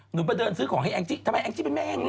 หนูไปเดินซื้อของให้แอ๊กจี่ทำให้แอ๊กจี่เป็นแมง